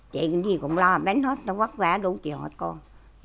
chị cái gì cũng lo bánh hết nó vất vả đủ chịu hết con